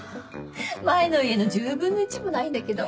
前の家の１０分の１もないんだけど。